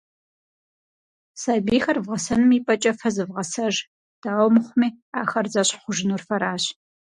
Сабийхэр вгъэсэным и пӏэкӏэ фэ зывгъэсэж, дауэ мыхъуми, ахэр зэщхь хъужынур фэращ.